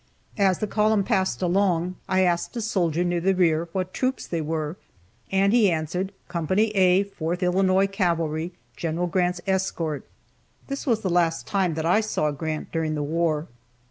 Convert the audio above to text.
As the column passed along, I asked a soldier near the rear what troops they were, and he answered, "Co. A, Fourth Illinois Cavalry Gen. Grant's escort." This was the last time that I saw Grant during the war.